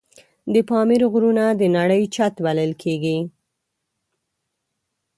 د پامیر غرونه د نړۍ چت بلل کېږي.